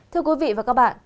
thưa quý vị và các bạn